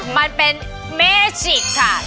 มันเป็นเมจิกค่ะ